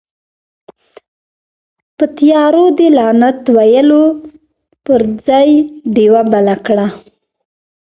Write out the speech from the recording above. په تيارو ده لعنت ويلو پر ځئ، ډيوه بله کړه.